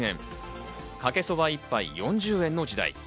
かけそば１杯４０円の時代。